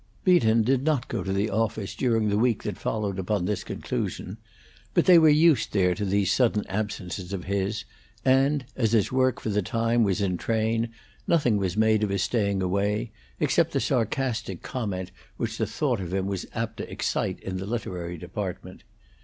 Beaton did not go to the office during the week that followed upon this conclusion; but they were used there to these sudden absences of his, and, as his work for the time was in train, nothing was made of his staying away, except the sarcastic comment which the thought of him was apt to excite in the literary department.